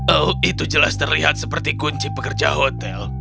oh itu jelas terlihat seperti kunci pekerja hotel